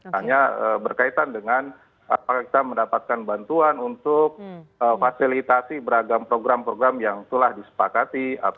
hanya berkaitan dengan apakah kita mendapatkan bantuan untuk fasilitasi beragam program program yang telah disepakati